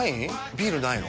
ビールないの？